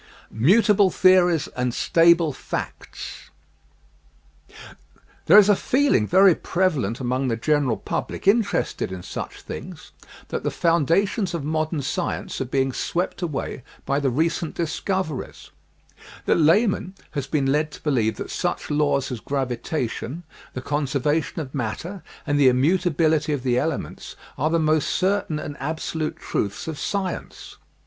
MUTABLE THEORIES AND STABLE FACTS There is a feeling very prevalent among the gen eral public interested in such things that the founda tions of modern science are being swept away by the /ecent discoveries. The layman h^ been led to believe MUTABLE THEORIES AND STABLE FACTS 99 that such laws as gravitation, the conservation of matter and the immutability of the elements are the most certain and absolute truths of science.